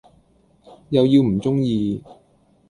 又要唔鐘意